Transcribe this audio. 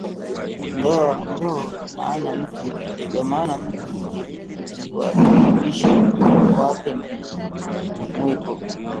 Nd’o maana mtu kujiwajibisha kwake ni mwiko